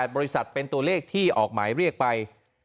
บริษัทเป็นตัวเลขที่ออกหมายเรียกไป